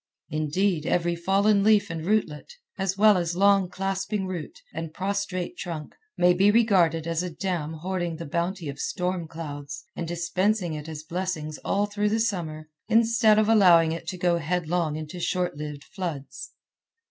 Indeed, every fallen leaf and rootlet, as well as long clasping root, and prostrate trunk, may be regarded as a dam hoarding the bounty of storm clouds, and dispensing it as blessings all through the summer, instead of allowing it to go headlong in short lived floods.